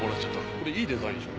これいいデザインでしょ？